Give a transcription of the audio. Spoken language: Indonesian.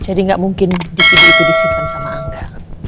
jadi gak mungkin dvd itu disimpen sama angga